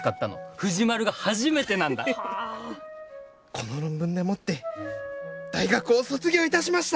この論文でもって大学を卒業いたしました！